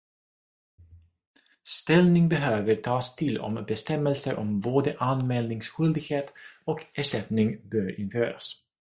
Ställning behöver tas till om bestämmelser om både anmälningsskyldighet och ersättning bör införas.